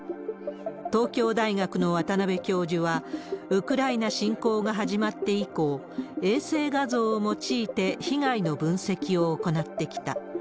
東京大学の渡邉教授は、ウクライナ侵攻が始まって以降、衛星画像を用いて被害の分析を行ってきた。